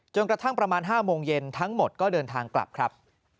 กระทั่งประมาณ๕โมงเย็นทั้งหมดก็เดินทางกลับครับ